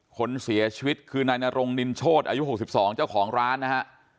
คนเสียชีวิตคือนายนรงนินโชธอายุ๖๒เจ้าของร้านนะฮะ